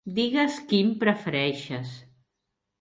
Digues quin prefereixes.